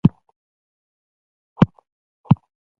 که مطالعه نه وي په ازموینو کې کامیابي هم نشته.